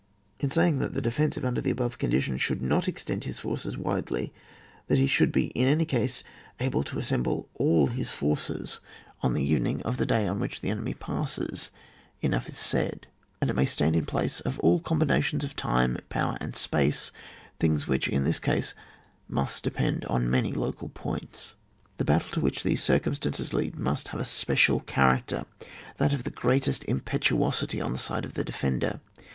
In saying that the defensive, under the above conditions, shotdd not extend his forces widely, that he should be in any case able to assemble all his forces on the evening of the day on which the enemy passes, enough is said, and it may stand in place of all combinations of time, power, and space, things which, in this case, must depend on many local points. The battle to which these circumstances lead must have a special character — ^that of the greatest impetuosity on the side of the defender.